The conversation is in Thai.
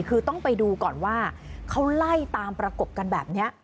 คือต้องไปดูก่อนว่าเขาไล่ตามประกบกันแบบนี้